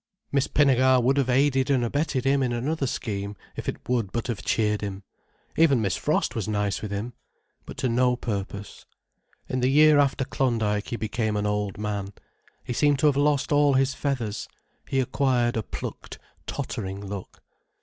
Miss Pinnegar would have aided and abetted him in another scheme, if it would but have cheered him. Even Miss Frost was nice with him. But to no purpose. In the year after Klondyke he became an old man, he seemed to have lost all his feathers, he acquired a plucked, tottering look.